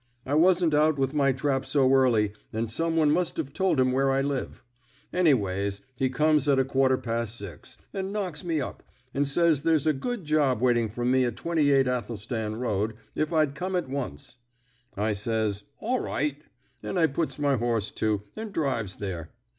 I wasn't out with my trap so early, and some one must have told him where I live. Anyways, he comes at a quarter past six, and knocks me up, and says there's a good job waiting for me at 28 Athelstan Road, if I'd come at once. I says, 'All right,' and I puts my horse to, and drives there.